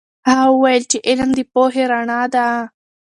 هغه وویل چې علم د پوهې رڼا ده.